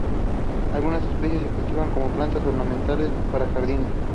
Algunas especies se cultivan como planta ornamental para jardines.